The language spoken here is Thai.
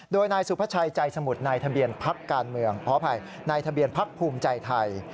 โดยนายสุพชายใจสมุทรณทะเบียนพักภูมิใจไทย